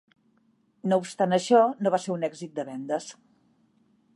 No obstant això, no va ser un èxit de vendes.